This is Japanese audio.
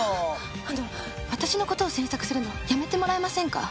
あの私の事を詮索するのやめてもらえませんか？